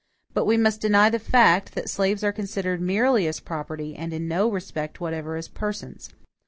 But we must deny the fact, that slaves are considered merely as property, and in no respect whatever as persons.